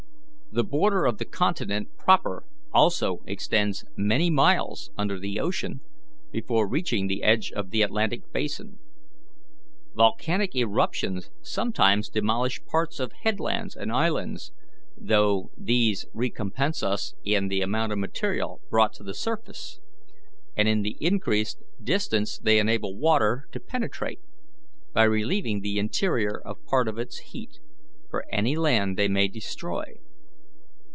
The border of the continent proper also extends many miles under the ocean before reaching the edge of the Atlantic basin. Volcanic eruptions sometimes demolish parts of headlands and islands, though these recompense us in the amount of material brought to the surface, and in the increased distance they enable water to penetrate by relieving the interior of part of its heat, for any land they may destroy."